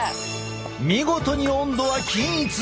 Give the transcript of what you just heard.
見事に温度は均一！